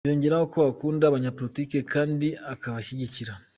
Yongeraho ko akunda abanyapolitike kandi akabashyigikira.